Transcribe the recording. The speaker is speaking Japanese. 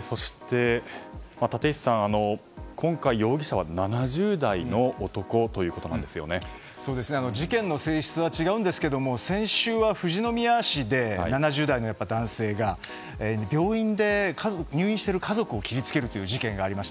そして立石さん、今回容疑者は事件の性質は違うんですけど先週は富士宮市で７０代の男性が病院で入院している家族を切り付けるという事件がありました。